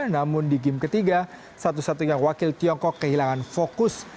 namun di game ketiga satu satunya wakil tiongkok kehilangan fokus